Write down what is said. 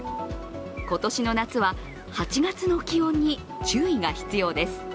今年の夏は８月の気温に注意が必要です。